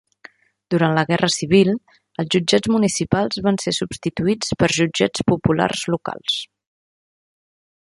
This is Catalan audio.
Durant la Guerra civil, els Jutjats Municipals van ser substituïts per Jutjats Populars Locals.